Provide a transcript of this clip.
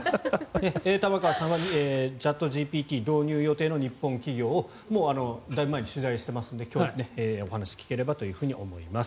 玉川さんはチャットＧＰＴ導入予定の日本企業をもうだいぶ前に取材していますので今日はお話聞ければと思います。